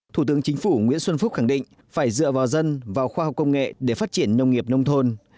thủ tướng chính phủ nguyễn xuân phúc khẳng định phải dựa vào dân vào khoa học công nghệ để phát triển nông nghiệp nông thôn